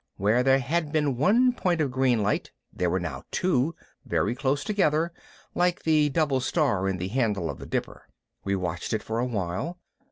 Where there had been one point of green light there were now two, very close together like the double star in the handle of the Dipper. We watched it for a while.